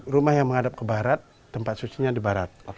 rumah yang menghadap ke barat tempat sucinya di barat